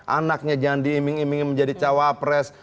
anaknya jangan diiming imingi menjadi cawapres